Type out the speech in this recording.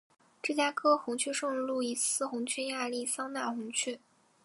芝加哥红雀圣路易斯红雀亚利桑那红雀